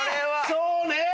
そうね！